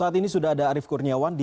terima kasih wartawan